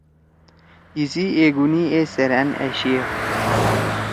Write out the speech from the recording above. ایسی ایگُونی اے سیرأن آشیا۔